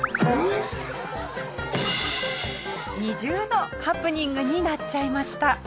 二重のハプニングになっちゃいました。